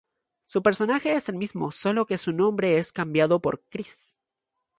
Su personaje es el mismo solo que su nombre es cambiado por Chris.